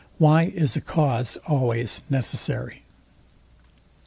WHY A CAUSE IS ALWAYS NECESSARY.